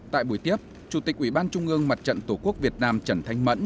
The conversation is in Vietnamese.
tại buổi tiếp chủ tịch ủy ban trung ương mặt trận tổ quốc việt nam trần thanh mẫn